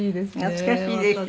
懐かしいでしょ？